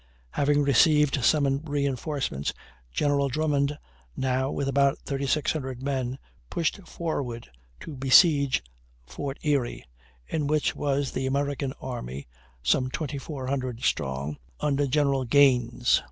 Having received some reinforcements General Drummond, now with about 3,600 men, pushed forward to besiege Fort Erie, in which was the American army, some 2,400 strong, under General Gaines.